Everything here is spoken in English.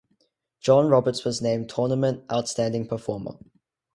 Jon Roberts was named Tournament Outstanding Performer.